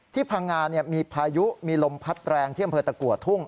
พังงามีพายุมีลมพัดแรงที่อำเภอตะกัวทุ่ง